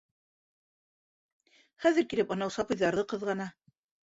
Хәҙер килеп анау сабыйҙарҙы ҡыҙғана.